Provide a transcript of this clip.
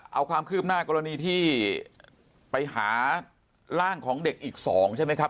เอาความคืบหน้ากรณีที่ไปหาร่างของเด็กอีก๒ใช่ไหมครับ